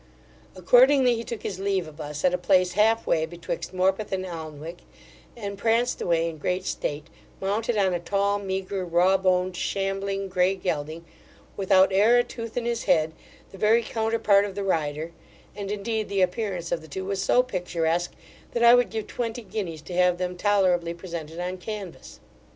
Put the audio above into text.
Accordingly he took his leave of us at a place half way betwixt Morpeth and Alnwick, and pranced away in great state, mounted on a tall, meagre, raw boned, shambling grey gelding, without e'er a tooth in his head, the very counter part of the rider; and, indeed, the appearance of the two was so picturesque, that I would give twenty guineas to have them tolerably presented on canvas.